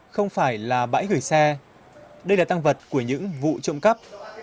không phải là bãi gửi xe đây là tăng vật của những vụ trộm cắp